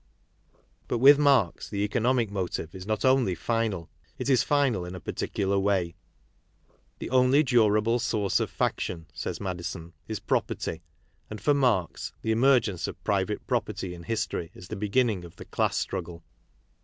*■ But with Marx the economic motive is not only final, it is final in a particular way. " The only durable source of faction," said Madison, " is property," and, for Marx, the emergence of private property in history is the beginning of the class struggle.